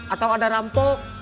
atau ada rampok